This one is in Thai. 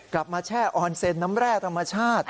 กลับมาแช่ออนเซนต์น้ำแร่ธรรมชาติ